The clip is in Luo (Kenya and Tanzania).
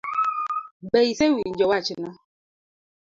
Be isewinjo wachno?